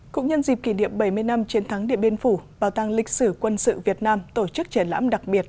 cũng nhân dịp kỷ niệm bảy mươi năm chiến thắng điện biên phủ bảo tàng lịch sử quân sự việt nam tổ chức triển lãm đặc biệt